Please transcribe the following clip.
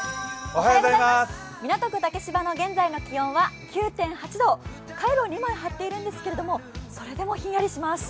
港区竹芝の現在の気温は９．８度カイロを２枚貼ってるんですけど、それでもひんやりします。